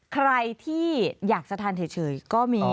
ใครที่อยากจะทานเฉยก็มี